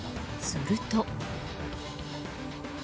すると。